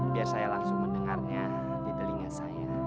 biar saya langsung mendengarnya di telinga saya